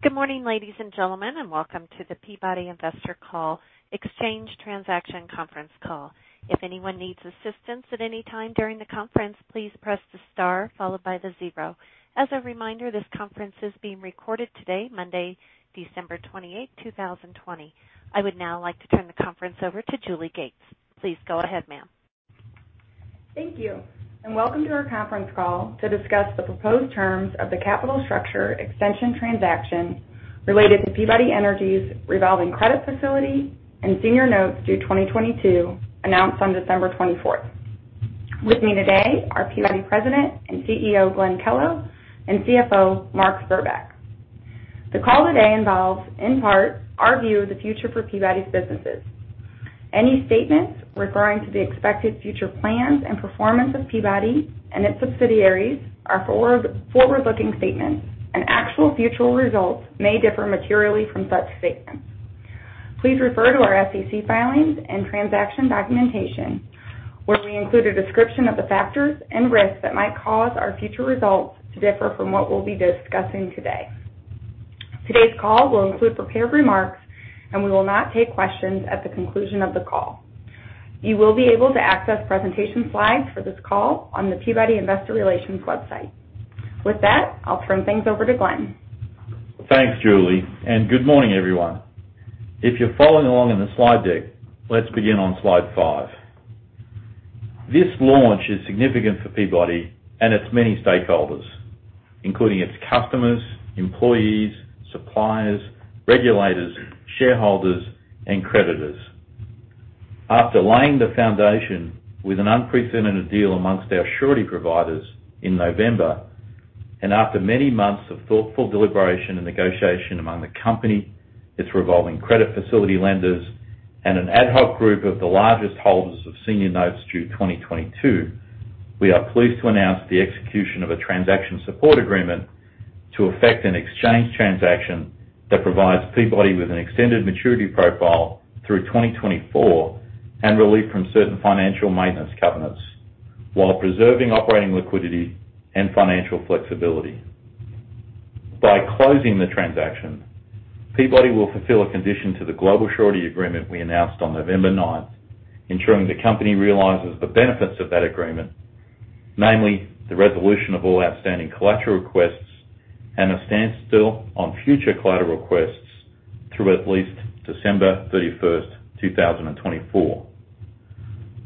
Good morning, ladies and gentlemen, and welcome to the Peabody investor call exchange transaction Conference call. If anyone needs assistance at any time during the conference, please press the star followed by the zero. As a reminder, this conference is being recorded today, Monday, December 28, 2020. I would now like to turn the conference over to Julie Gates. Please go ahead, ma'am. Thank you, and welcome to our conference call to discuss the proposed terms of the capital structure extension transaction related to Peabody Energy's revolving credit facility and senior notes due 2022, announced on December 24th. With me today are Peabody President and CEO, Glenn Kellow, and CFO, Mark Spurbeck. The call today involves, in part, our view of the future for Peabody's businesses. Any statements referring to the expected future plans and performance of Peabody and its subsidiaries are forward-looking statements, and actual future results may differ materially from such statements. Please refer to our SEC filings and transaction documentation, where we include a description of the factors and risks that might cause our future results to differ from what we'll be discussing today. Today's call will include prepared remarks, and we will not take questions at the conclusion of the call. You will be able to access presentation slides for this call on the Peabody Investor Relations website. With that, I'll turn things over to Glenn. Thanks, Julie. Good morning, everyone. If you're following along in the slide deck, let's begin on slide five. This launch is significant for Peabody and its many stakeholders, including its customers, employees, suppliers, regulators, shareholders, and creditors. After laying the foundation with an unprecedented deal amongst our surety providers in November, after many months of thoughtful deliberation and negotiation among the company, its revolving credit facility lenders, and an ad hoc group of the largest holders of senior notes due 2022, we are pleased to announce the execution of a transaction support agreement to effect an exchange transaction that provides Peabody with an extended maturity profile through 2024 and relief from certain financial maintenance covenants, while preserving operating liquidity and financial flexibility. By closing the transaction, Peabody will fulfill a condition to the global surety agreement we announced on November 9th, ensuring the company realizes the benefits of that agreement, namely, the resolution of all outstanding collateral requests and a standstill on future collateral requests through at least December 31st, 2024.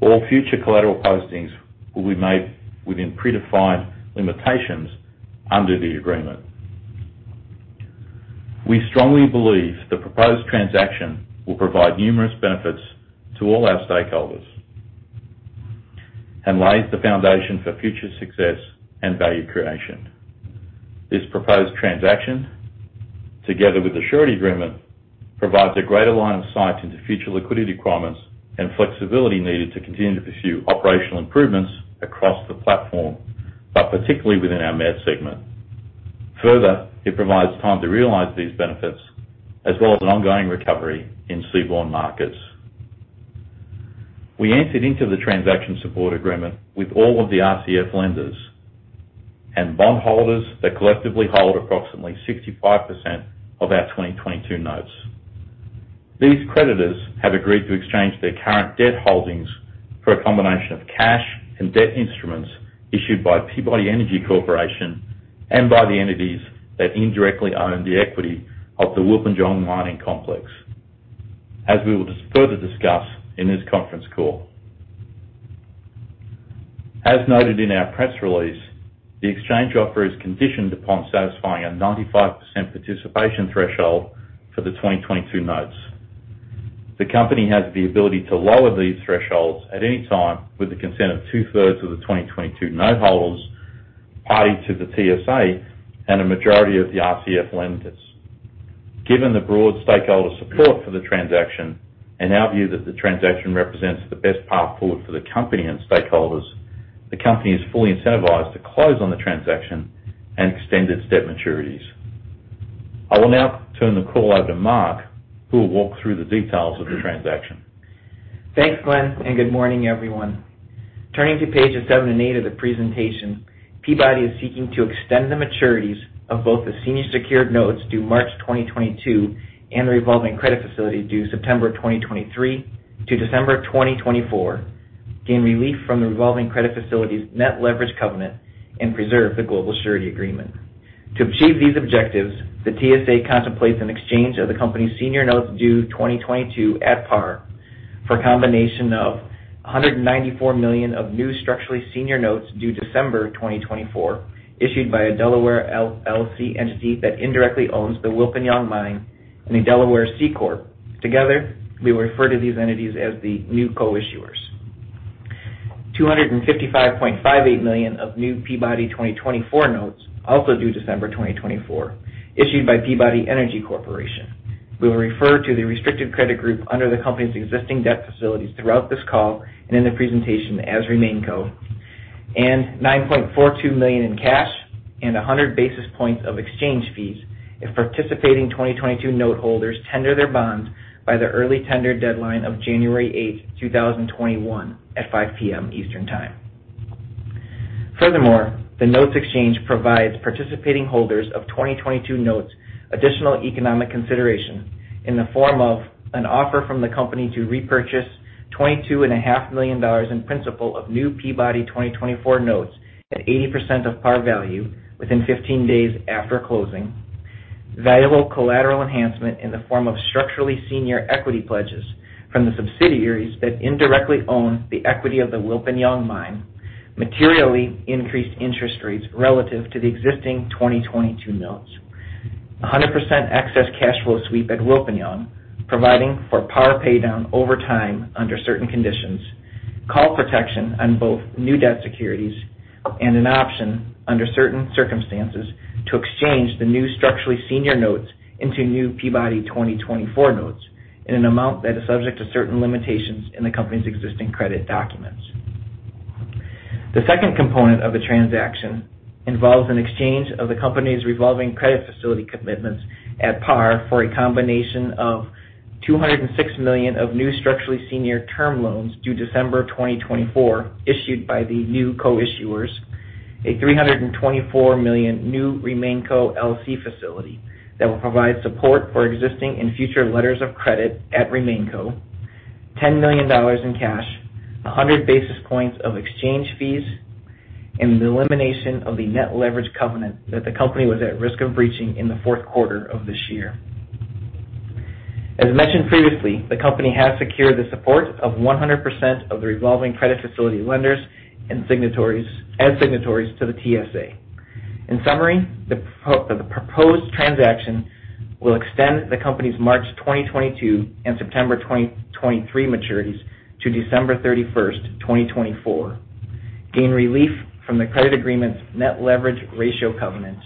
All future collateral postings will be made within predefined limitations under the agreement. We strongly believe the proposed transaction will provide numerous benefits to all our stakeholders and lays the foundation for future success and value creation. This proposed transaction, together with the surety agreement, provides a greater line of sight into future liquidity requirements and flexibility needed to continue to pursue operational improvements across the platform, but particularly within our met segment. Further, it provides time to realize these benefits, as well as an ongoing recovery in seaborne markets. We entered into the transaction support agreement with all of the RCF lenders and bondholders that collectively hold approximately 65% of our 2022 notes. These creditors have agreed to exchange their current debt holdings for a combination of cash and debt instruments issued by Peabody Energy Corporation and by the entities that indirectly own the equity of the Wilpinjong mining complex, as we will further discuss in this conference call. As noted in our press release, the exchange offer is conditioned upon satisfying a 95% participation threshold for the 2022 notes. The company has the ability to lower these thresholds at any time with the consent of two-thirds of the 2022 noteholders party to the TSA and a majority of the RCF lenders. Given the broad stakeholder support for the transaction and our view that the transaction represents the best path forward for the company and stakeholders, the company is fully incentivized to close on the transaction and extend its debt maturities. I will now turn the call over to Mark, who will walk through the details of the transaction. Thanks, Glenn. Good morning, everyone. Turning to pages seven and eight of the presentation, Peabody is seeking to extend the maturities of both the senior secured notes due March 2022 and the revolving credit facility due September 2023 to December 2024, gain relief from the revolving credit facility's net leverage covenant, and preserve the global surety agreement. To achieve these objectives, the TSA contemplates an exchange of the company's senior notes due 2022 at par for a combination of $194 million of new structurally senior notes due December 2024, issued by a Delaware LLC entity that indirectly owns the Wilpinjong mine and a Delaware C-Corp. Together, we refer to these entities as the new co-issuers. $255.58 million of new Peabody 2024 notes, also due December 2024, issued by Peabody Energy Corporation. We will refer to the restricted credit group under the company's existing debt facilities throughout this call and in the presentation as RemainCo. $9.42 million in cash and 100 basis points of exchange fees if participating 2022 noteholders tender their bonds by the early tender deadline of January 8, 2021, at 5:00 P.M. Eastern Time. Furthermore, the notes exchange provides participating holders of 2022 notes additional economic consideration in the form of an offer from the company to repurchase $22.5 million in principal of New Peabody 2024 Notes at 80% of par value within 15 days after closing. Valuable collateral enhancement in the form of structurally senior equity pledges from the subsidiaries that indirectly own the equity of the Wilpinjong Mine, materially increased interest rates relative to the existing 2022 notes. 100% excess cash flow sweep at Wilpinjong, providing for par paydown over time under certain conditions, call protection on both new debt securities, and an option, under certain circumstances, to exchange the new structurally senior notes into New Peabody 2024 Notes in an amount that is subject to certain limitations in the company's existing credit documents. The second component of the transaction involves an exchange of the company's revolving credit facility commitments at par for a combination of $206 million of new structurally senior term loans due December 2024, issued by the new co-issuers. A $324 million new RemainCo LC facility that will provide support for existing and future letters of credit at RemainCo, $10 million in cash, 100 basis points of exchange fees, and the elimination of the net leverage covenant that the company was at risk of breaching in the fourth quarter of this year. As mentioned previously, the company has secured the support of 100% of the revolving credit facility lenders as signatories to the TSA. In summary, the proposed transaction will extend the company's March 2022 and September 2023 maturities to December 31st, 2024, gain relief from the credit agreement's net leverage ratio covenant,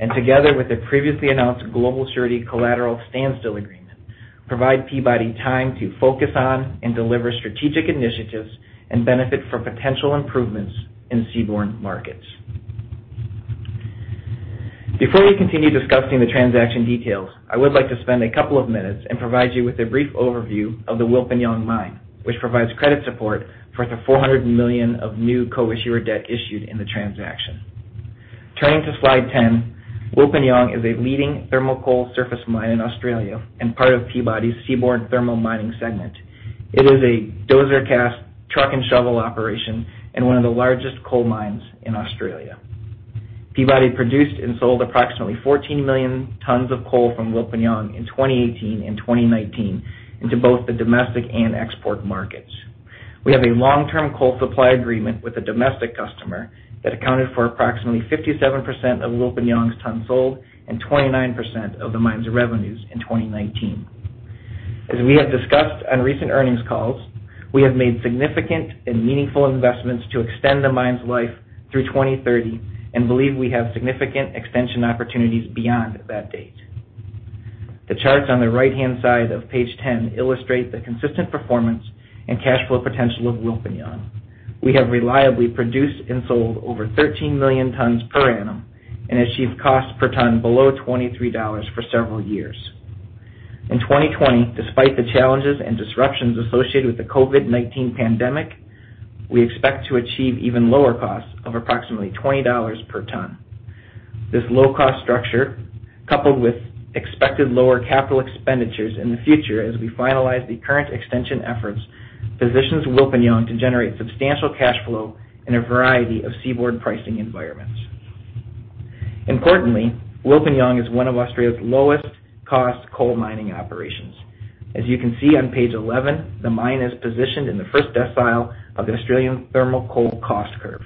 and together with the previously announced global surety collateral standstill agreement, provide Peabody time to focus on and deliver strategic initiatives and benefit from potential improvements in seaborne markets. Before we continue discussing the transaction details, I would like to spend a couple of minutes and provide you with a brief overview of the Wilpinjong Mine, which provides credit support for the $400 million of new co-issuer debt issued in the transaction. Turning to slide 10, Wilpinjong is a leading thermal coal surface mine in Australia and part of Peabody's Seaborne Thermal Mining segment. It is a dozer cast truck and shovel operation and one of the largest coal mines in Australia. Peabody produced and sold approximately 14 million tons of coal from Wilpinjong in 2018 and 2019 into both the domestic and export markets. We have a long-term coal supply agreement with a domestic customer that accounted for approximately 57% of Wilpinjong's tons sold and 29% of the mine's revenues in 2019. As we have discussed on recent earnings calls, we have made significant and meaningful investments to extend the mine's life through 2030 and believe we have significant extension opportunities beyond that date. The charts on the right-hand side of page 10 illustrate the consistent performance and cash flow potential of Wilpinjong. We have reliably produced and sold over 13 million tons per annum and achieved cost per ton below $23 for several years. In 2020, despite the challenges and disruptions associated with the COVID-19 pandemic, we expect to achieve even lower costs of approximately $20/ton. This low-cost structure, coupled with expected lower capital expenditures in the future as we finalize the current extension efforts, positions Wilpinjong to generate substantial cash flow in a variety of seaborne pricing environments. Importantly, Wilpinjong is one of Australia's lowest cost coal mining operations. As you can see on page 11, the mine is positioned in the first decile of the Australian thermal coal cost curve.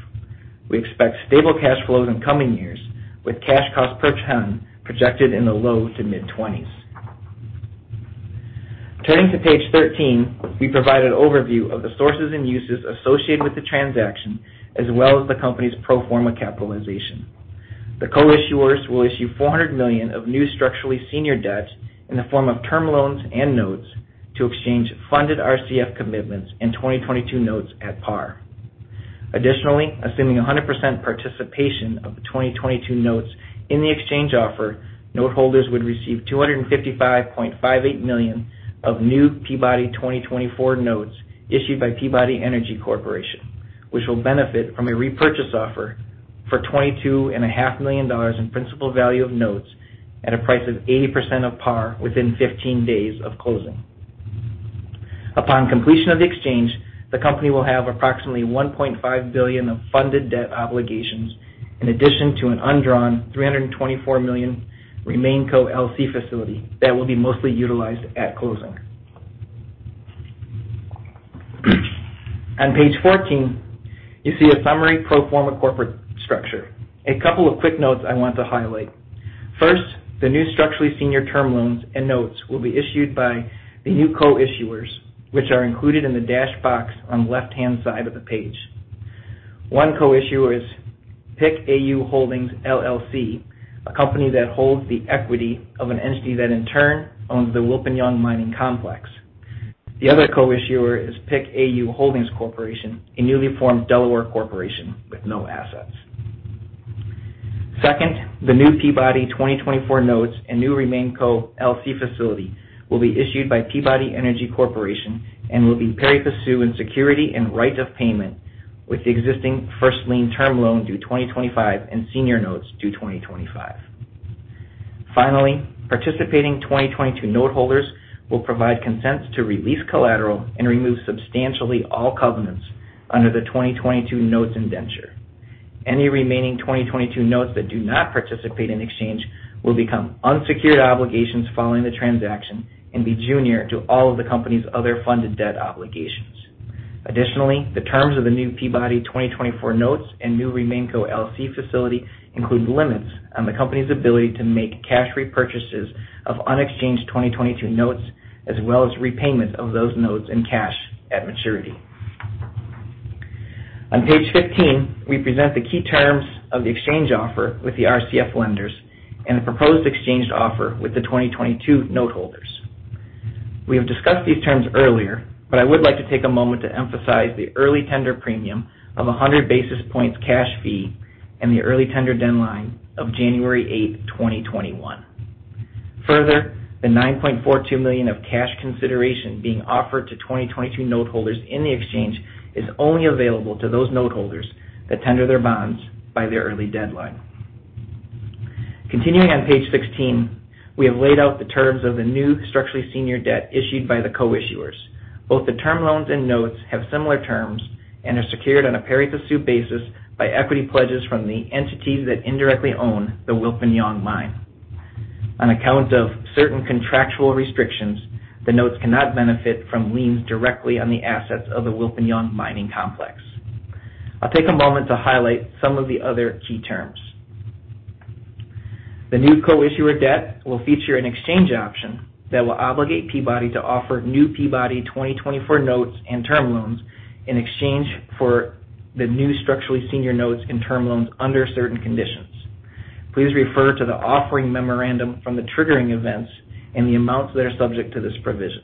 We expect stable cash flows in coming years with cash cost per ton projected in the low to mid-$20s. Turning to page 13, we provide an overview of the sources and uses associated with the transaction, as well as the company's pro forma capitalization. The co-issuers will issue $400 million of new structurally senior debts in the form of term loans and notes to exchange funded RCF commitments and 2022 notes at par. Additionally, assuming 100% participation of the 2022 notes in the exchange offer, note holders would receive $255.58 million of New Peabody 2024 Notes issued by Peabody Energy Corporation, which will benefit from a repurchase offer for $22.5 million in principal value of notes at a price of 80% of par within 15 days of closing. Upon completion of the exchange, the company will have approximately $1.5 billion of funded debt obligations, in addition to an undrawn $324 million RemainCo LC facility that will be mostly utilized at closing. On page 14, you see a summary pro forma corporate structure. A couple of quick notes I want to highlight. First, the new structurally senior term loans and notes will be issued by the new co-issuers, which are included in the dashed box on the left-hand side of the page. One co-issuer is PIC AU Holdings LLC, a company that holds the equity of an entity that in turn owns the Wilpinjong mining complex. The other co-issuer is PIC AU Holdings Corporation, a newly formed Delaware corporation with no assets. Second, the New Peabody 2024 Notes and new RemainCo LC facility will be issued by Peabody Energy Corporation and will be pari passu in security and right of payment with the existing first-lien term loan due 2025 and senior notes due 2025. Finally, participating 2022 noteholders will provide consents to release collateral and remove substantially all covenants under the 2022 notes indenture. Any remaining 2022 notes that do not participate in exchange will become unsecured obligations following the transaction and be junior to all of the company's other funded debt obligations. Additionally, the terms of the New Peabody 2024 Notes and new RemainCo LC facility include limits on the company's ability to make cash repurchases of unexchanged 2022 notes, as well as repayment of those notes in cash at maturity. On page 15, we present the key terms of the exchange offer with the RCF lenders and the proposed exchange offer with the 2022 noteholders. We have discussed these terms earlier, but I would like to take a moment to emphasize the early tender premium of 100 basis points cash fee and the early tender deadline of January 8, 2021. Further, the $9.42 million of cash consideration being offered to 2022 noteholders in the exchange is only available to those noteholders that tender their bonds by the early deadline. Continuing on page 16, we have laid out the terms of the new structurally senior debt issued by the co-issuers. Both the term loans and notes have similar terms and are secured on a pari passu basis by equity pledges from the entities that indirectly own the Wilpinjong Mine. On account of certain contractual restrictions, the notes cannot benefit from liens directly on the assets of the Wilpinjong mining complex. I'll take a moment to highlight some of the other key terms. The new co-issuer debt will feature an exchange option that will obligate Peabody to offer New Peabody 2024 Notes and term loans in exchange for the new structurally senior notes and term loans under certain conditions. Please refer to the offering memorandum from the triggering events and the amounts that are subject to this provision.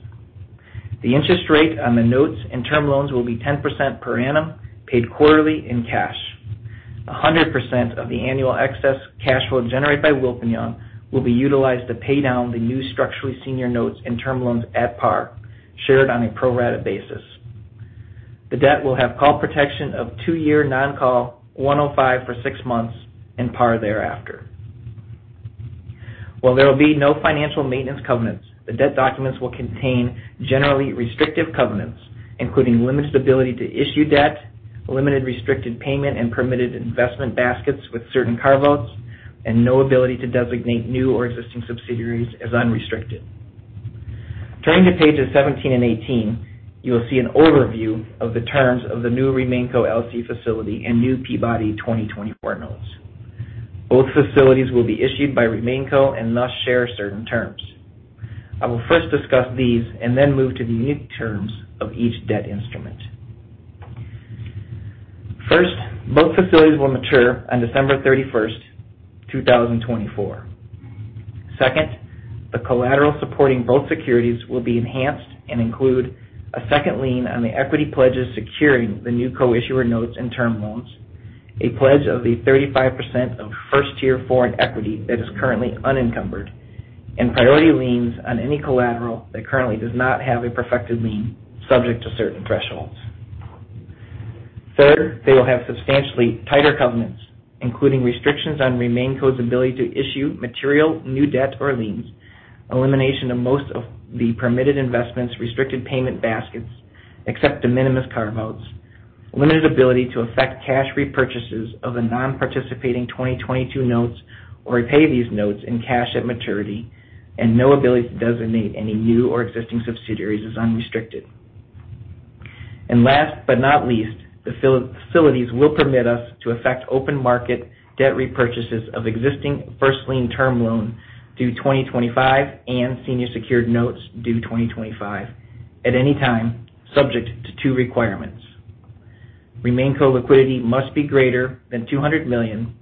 The interest rate on the notes and term loans will be 10% per annum, paid quarterly in cash. 100% of the annual excess cash flow generated by Wilpinjong will be utilized to pay down the new structurally senior notes and term loans at par, shared on a pro rata basis. The debt will have call protection of two-year non-call, 105 for six months, and Par thereafter. While there will be no financial maintenance covenants, the debt documents will contain generally restrictive covenants, including limited ability to issue debt, limited restricted payment and permitted investment baskets with certain carve-outs, and no ability to designate new or existing subsidiaries as unrestricted. Turning to pages 17 and 18, you will see an overview of the terms of the new RemainCo LC facility and New Peabody 2024 Notes. Both facilities will be issued by RemainCo and thus share certain terms. I will first discuss these and then move to the unique terms of each debt instrument. First, both facilities will mature on December 31st, 2024. Second, the collateral supporting both securities will be enhanced and include a second lien on the equity pledges securing the new co-issuers notes and term loans, a pledge of the 35% of first-tier foreign equity that is currently unencumbered, and priority liens on any collateral that currently does not have a perfected lien, subject to certain thresholds. Third, they will have substantially tighter covenants, including restrictions on RemainCo's ability to issue material new debt or liens, elimination of most of the permitted investments restricted payment baskets except de minimis carve-outs, limited ability to affect cash repurchases of the non-participating 2022 notes or repay these notes in cash at maturity, and no ability to designate any new or existing subsidiaries as unrestricted. Last but not least, the facilities will permit us to affect open market debt repurchases of existing first-lien term loan due 2025 and senior secured notes due 2025 at any time, subject to two requirements. RemainCo liquidity must be greater than $200 million,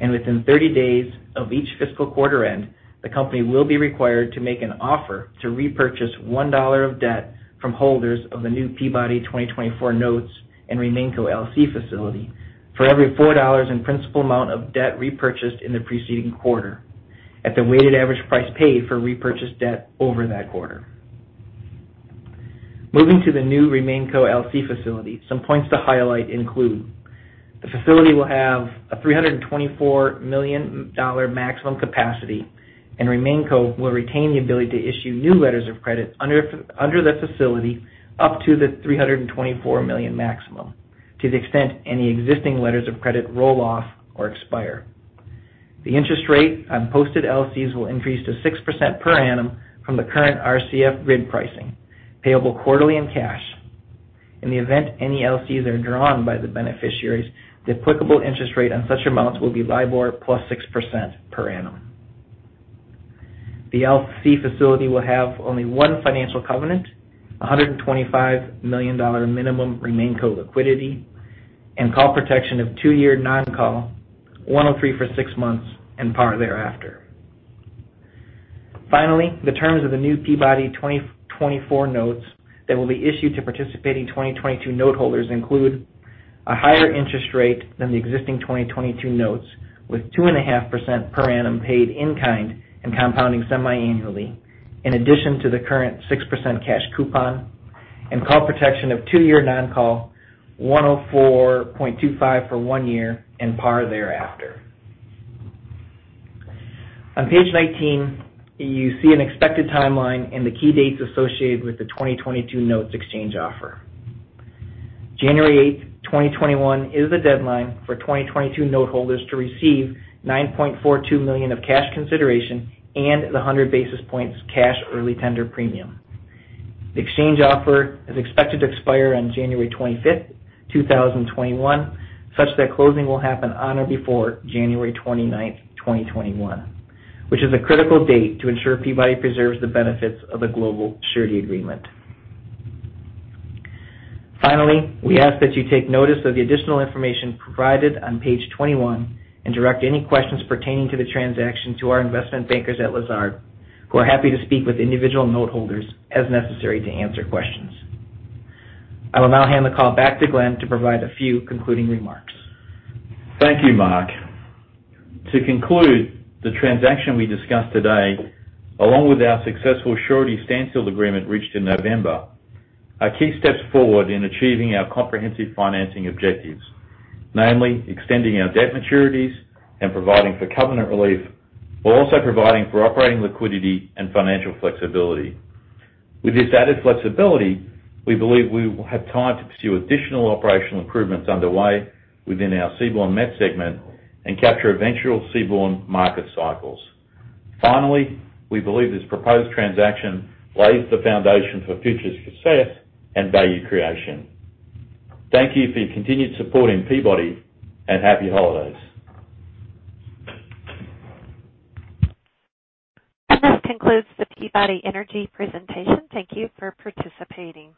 and within 30 days of each fiscal quarter end, the company will be required to make an offer to repurchase $1 of debt from holders of the new Peabody 2024 Notes and RemainCo LC facility for every $4 in principal amount of debt repurchased in the preceding quarter at the weighted average price paid for repurchased debt over that quarter. Moving to the new RemainCo LC facility, some points to highlight include: the facility will have a $324 million maximum capacity, and RemainCo will retain the ability to issue new letters of credit under the facility up to the $324 million maximum, to the extent any existing letters of credit roll off or expire. The interest rate on posted LCs will increase to 6% per annum from the current RCF RIB pricing, payable quarterly in cash. In the event any LCs are drawn by the beneficiaries, the applicable interest rate on such amounts will be LIBOR + 6% per annum. The LC facility will have only one financial covenant, $125 million minimum RemainCo liquidity, and call protection of two-year non-call, 103 for six months, and Par thereafter. Finally, the terms of the New Peabody 2024 Notes that will be issued to participating 2022 note holders include a higher interest rate than the existing 2022 notes, with 2.5% per annum paid in kind and compounding semiannually, in addition to the current 6% cash coupon and call protection of two-year non-call, 104.25 for one year, and Par thereafter. On page 19, you see an expected timeline and the key dates associated with the 2022 notes exchange offer. January 8th, 2021 is the deadline for 2022 note holders to receive $9.42 million of cash consideration and the 100 basis points cash early tender premium. The exchange offer is expected to expire on January 25th, 2021, such that closing will happen on or before January 29th, 2021, which is a critical date to ensure Peabody preserves the benefits of the global surety agreement. We ask that you take notice of the additional information provided on page 21 and direct any questions pertaining to the transaction to our investment bankers at Lazard, who are happy to speak with individual note holders as necessary to answer questions. I will now hand the call back to Glenn to provide a few concluding remarks. Thank you, Mark. To conclude, the transaction we discussed today, along with our successful surety standstill agreement reached in November, are key steps forward in achieving our comprehensive financing objectives, namely extending our debt maturities and providing for covenant relief, while also providing for operating liquidity and financial flexibility. With this added flexibility, we believe we will have time to pursue additional operational improvements underway within our Seaborne Met segment and capture eventual seaborne market cycles. Finally, we believe this proposed transaction lays the foundation for future success and value creation. Thank you for your continued support in Peabody and happy holidays. This concludes the Peabody Energy presentation. Thank you for participating.